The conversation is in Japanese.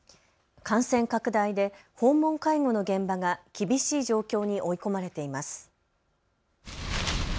感染拡大で訪問介護の現場が厳しい状況に追い込まれています。